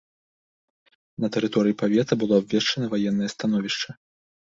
На тэрыторыі павета было абвешчана ваеннае становішча.